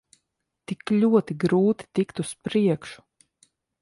Tik ļoti grūti tikt uz priekšu.